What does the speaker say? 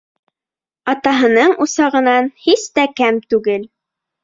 Атаһының усағынан һис тә кәм түгел.